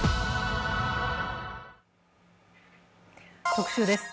特集です。